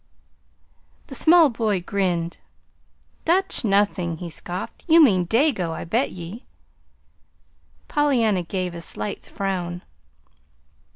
The small boy grinned. "Dutch nothin'!" he scoffed. "You mean Dago, I bet ye." Pollyanna gave a slight frown.